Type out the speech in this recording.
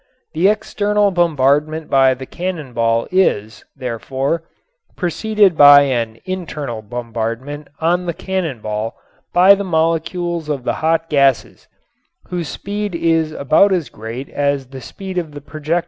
The external bombardment by the cannon ball is, therefore, preceded by an internal bombardment on the cannon ball by the molecules of the hot gases, whose speed is about as great as the speed of the projectile that they propel.